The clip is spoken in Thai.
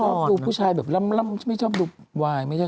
รักจึบดูผู้ชายล้ำไม่ชอบดูวาย